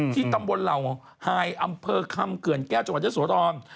ที่ตำบลเหล่าหายอำเภอคำเขื่อนแก้วจุดวัดยศวทรวน